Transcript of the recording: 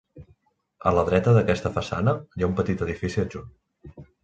A la dreta d'aquesta façana, hi ha un petit edifici adjunt.